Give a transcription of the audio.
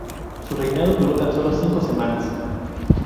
Su reinado duró tan sólo cinco semanas.